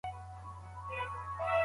فلش وهلو سره اوبه څاڅکي پورته الوزي.